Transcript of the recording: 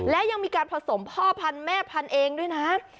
และยังมีการผสมพ่อพันธุ์แม่พันธุ์เองด้วยนะ